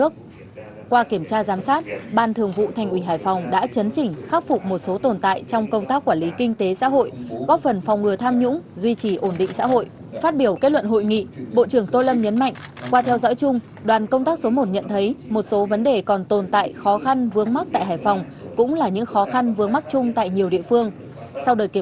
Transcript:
các tổ chức tiến hành thanh tra kiểm tra giám sát theo các chuyên đề